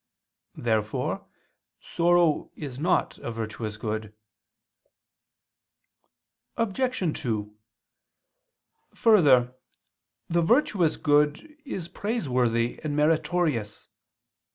Therefore sorrow is not a virtuous good. Obj. 2: Further, the virtuous good is praiseworthy and meritorious.